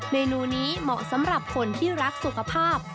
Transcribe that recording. เมนูนี้เหมาะสำหรับคนที่รักสุขภาพ